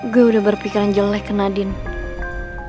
gue udah berpikiran jelek ke nadine